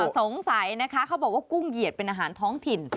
สงสัยนะคะเขาบอกว่ากุ้งเหยียดเป็นอาหารท้องถิ่น